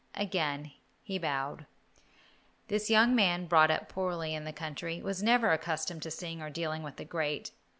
Again he bowed. This young man, brought up poorly in the country, was never accustomed to seeing or dealing with the great.